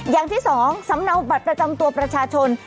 อย่างที่สองสำเนาบัตรประจำตัวประชาชน